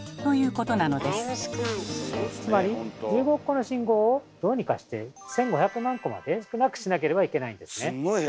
つまり１５億個の信号をどうにかして１，５００万個まで少なくしなければいけないんですね。